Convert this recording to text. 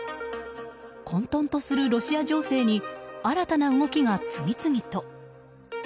混沌とするロシア情勢に新たな動きが次々と。